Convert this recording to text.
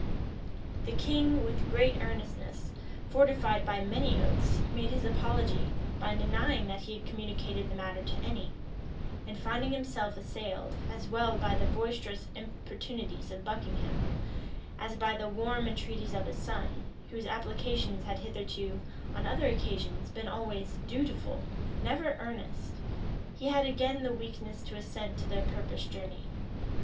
The king, with great earnestness, fortified by many oaths, made his apology, by denying that he had communicated the matter to any; and finding himself assailed, as well by the boisterous importunities of Buckingham, as by the warm entreaties of his son, whose applications had hitherto, on other occasions, been always dutiful, never earnest, he had again the weakness to assent to their purposed journey.